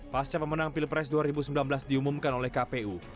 pasca pemenang pilpres dua ribu sembilan belas diumumkan oleh kpu